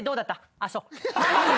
あっそう。